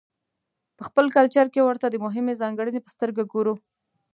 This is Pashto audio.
په خپل کلچر کې ورته د مهمې ځانګړنې په سترګه ګورو.